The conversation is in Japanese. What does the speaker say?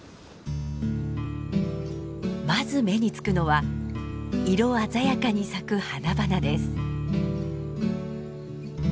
まず目につくのは色鮮やかに咲く花々です。